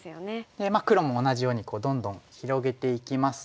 で黒も同じようにどんどん広げていきますと。